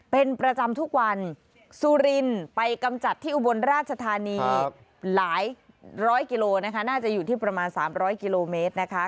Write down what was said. เป็นประจำทุกวันสุรินไปกำจัดที่อุบลราชธานีหลายร้อยกิโลนะคะน่าจะอยู่ที่ประมาณ๓๐๐กิโลเมตรนะคะ